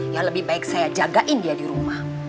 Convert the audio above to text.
ya lebih baik saya jagain dia di rumah